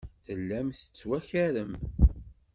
Tellam tettwakarem.